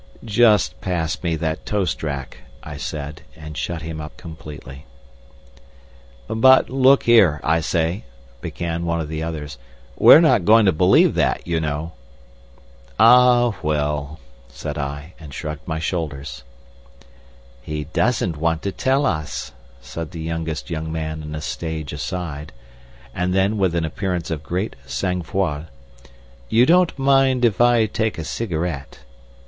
"Just pass me that toast rack," I said, and shut him up completely. "But look here, I say," began one of the others. "We're not going to believe that, you know." "Ah, well," said I, and shrugged my shoulders. "He doesn't want to tell us," said the youngest young man in a stage aside; and then, with an appearance of great sang froid, "You don't mind if I take a cigarette?"